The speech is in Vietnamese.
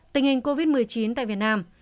tình hình covid một mươi chín tại việt nam